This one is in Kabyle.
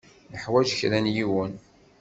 Neḥwaj kra n yiwen.